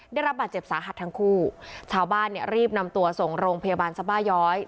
ได้รับบาดเจ็บสาหัสทั้งคู่ชาวบ้านเนี่ยรีบนำตัวส่งโรงพยาบาลสบาย้อย